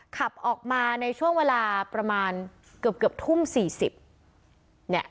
ขับออกมาในช่วงเวลาเกือบทุ่ม๔๐น